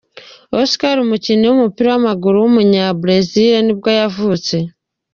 Oscar, umukinnyi w’umupira w’amaguru w’umunya-Brazil nibwo yavutse.